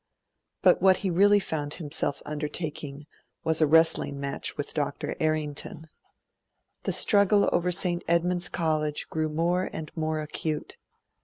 But what he really found himself undertaking was a wrestling match with Dr. Errington. The struggle over St. Edmund's College grew more and more acute.